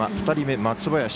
２人目、松林。